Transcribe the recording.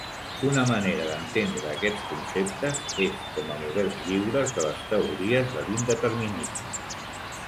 Una manera d'entendre aquests conceptes és com a models lliures de les teories de l'indeterminisme.